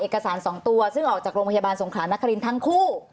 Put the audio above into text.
เอกสาร๒ตัวซึ่งออกจากโรงพยาบาลสงขลานครินทั้งคู่